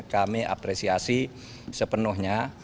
kami apresiasi sepenuhnya